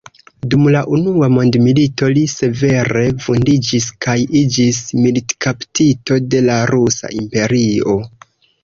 Dum la Unua Mondmilito li severe vundiĝis kaj iĝis militkaptito de la Rusa Imperio.